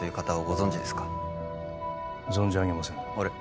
存じ上げませんあれッ